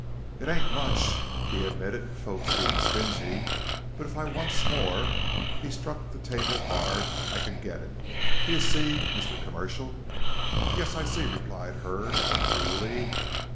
"It ain't much," he admitted; "folks being stingy. But if I wants more," he struck the table hard, "I can get it. D'ye see, Mister Commercial?" "Yes, I see," replied Hurd, coolly.